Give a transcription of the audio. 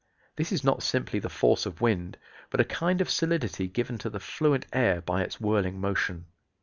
This is not simply the force of wind, but a kind of solidity given to the fluent air by its whirling motion.